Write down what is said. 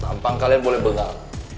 tampang kalian boleh bengal